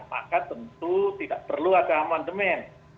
maka tentu tidak perlu ada amandemen